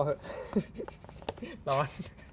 ร้อน